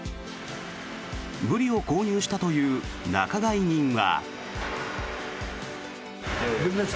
ブリを購入したという仲買人は。